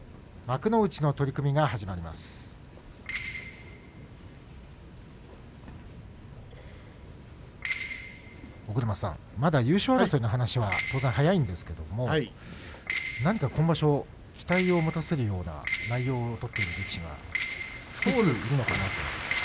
柝きの音尾車さん、まだ優勝争いの話は当然早いんですけれど今場所、期待を持たせるような内容を取っている力士が複数いるのかなと。